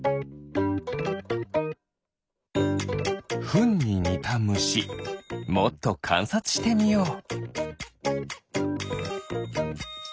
フンににたむしもっとかんさつしてみよう。